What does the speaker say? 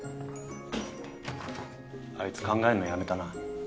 あいつ考えんのやめたな。